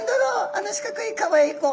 あの四角いかわいい子」。